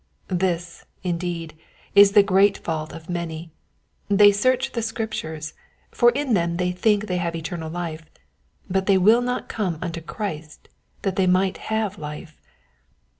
This, indeed, is the great fault of many — they search the Scriptures, for in them they think they have eternal life, but they will not come unto Christ, that they might have life.